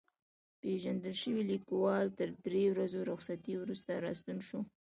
پېژندل شوی لیکوال تر درې ورځو رخصتۍ وروسته راستون شو.